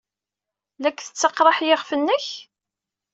La k-tettaqraḥ yiɣef-nnek?